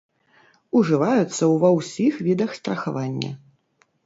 Ужываюцца ўва ўсіх відах страхавання.